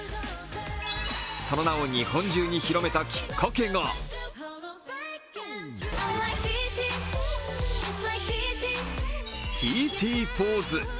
その名を日本中に広めたきっかけがＴＴポーズ。